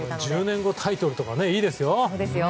１０年後タイトルとかいいですよ！